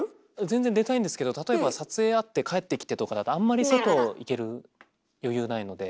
全然出たいんですけど例えば撮影あって帰ってきてとかだとあんまり外行ける余裕ないので。